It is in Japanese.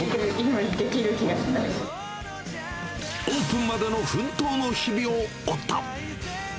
オープンまでの奮闘の日々を追った。